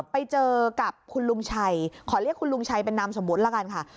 ไปเจอกับคุณลุงชัยขอเรียกคุณลุงชัยเป็นนามสมมุติละกันค่ะ